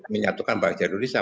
menyatukan pak jarod itu